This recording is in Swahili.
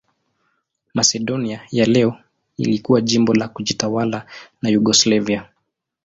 Masedonia ya leo ilikuwa jimbo la kujitawala la Yugoslavia.